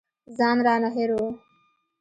ځان رانه هېر و.